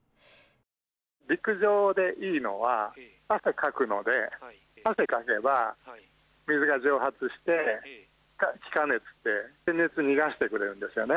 陸上でいいのは汗かくので汗をかけば水が蒸発して気化熱って熱を逃がしてくれるんですよね。